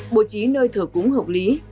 bộ trí nơi thờ cúng hợp lý